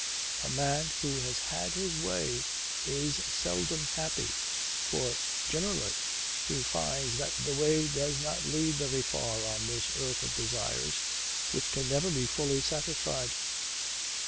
A man who has had his way is seldom happy, for generally he finds that the way does not lead very far on this earth of desires which can never be fully satisfied.